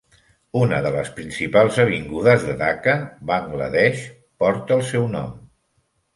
Una de les principals avingudes de Dhaka, Bangla Desh, porta el seu nom.